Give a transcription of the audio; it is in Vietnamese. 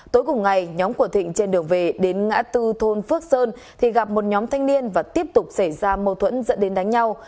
tối cùng ngày nhóm của thịnh trên đường về đến ngã tư thôn phước sơn thì gặp một nhóm thanh niên và tiếp tục xảy ra mâu thuẫn dẫn đến đánh nhau